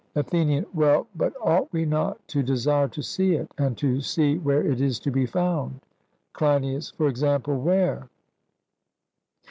ATHENIAN: Well, but ought we not to desire to see it, and to see where it is to be found? CLEINIAS: For example, where?